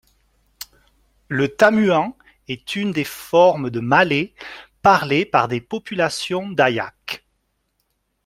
Le tamuan est une des formes de malais parlées par des populations dayaks.